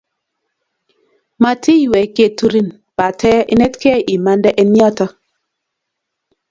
Matiywei keturin pate inetkei imande eng yoto